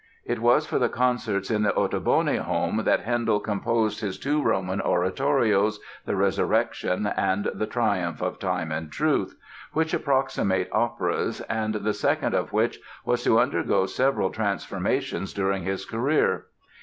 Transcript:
It was for the concerts in the Ottoboni home that Handel composed his two Roman oratorios, "The Resurrection" and "The Triumph of Time and Truth", which approximate operas and the second of which was to undergo several transformations during his career.